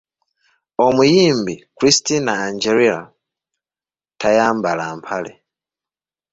Omuyimbi Christina Aguilera tayambala mpale!